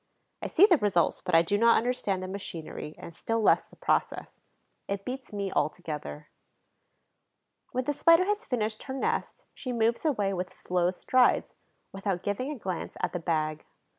I see the results, but I do not understand the machinery and still less the process. It beats me altogether. When the Spider has finished her nest, she moves away with slow strides, without giving a glance at the bag.